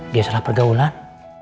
dia salah pergaulan